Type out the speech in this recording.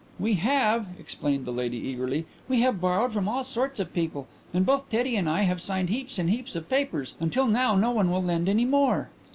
"We have," explained the lady eagerly. "We have borrowed from all sorts of people, and both Teddy and I have signed heaps and heaps of papers, until now no one will lend any more."